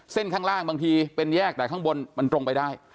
ข้างล่างบางทีเป็นแยกแต่ข้างบนมันตรงไปได้